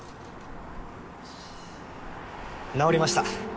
直りました。